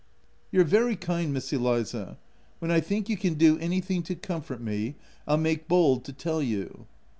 "You're very kind, Miss Eliza. When I think you can do anything to comfort me, I'll make bold to tell you."